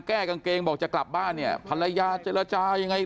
แก้กางเกงบอกจะกลับบ้านเนี่ยภรรยาเจรจายังไง